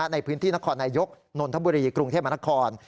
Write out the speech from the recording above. ในพื้นที่นครนายกนนทบุรีกรุงเทพมนคร